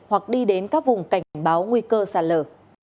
hoặc đi đến các vùng cảnh báo nguy cơ sạt lở